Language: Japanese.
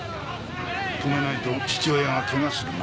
止めないと父親がケガするな。